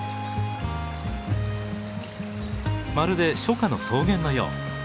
まるで初夏の草原のよう。